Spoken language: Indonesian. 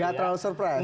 gak terlalu surprise